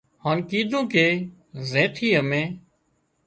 هانَ ڪيڌون ڪي زين ٿي امين